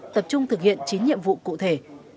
tập trung thực hiện chín nhiệm vụ cụ thể